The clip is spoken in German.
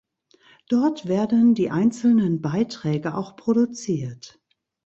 Dort werden die einzelnen Beiträge auch produziert.